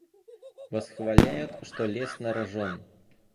Восхваляют, что лез на рожон.